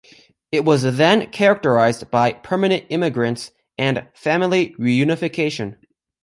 It was then characterized by permanent immigrants and family reunification.